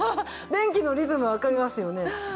電気のリズムわかりますよね。